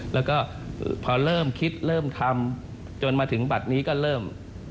แล้วก็พอเริ่มคิดเริ่มทำจนมาถึงบัตรนี้ก็เริ่ม